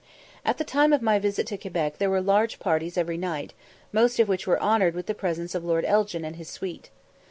At the time of my visit to Quebec there were large parties every night, most of which were honoured with the presence of Lord Elgin and his suite.